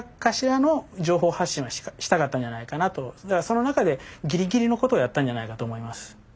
その中でギリギリのことをやったんじゃないかと思います。